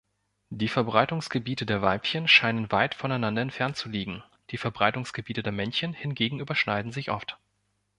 Die Verbreitungsgebiete der Weibchen scheinen weit von einander entfernt zu liegen; die Verbreitungsgebiete der Männchen hingegen überschneiden sich oft.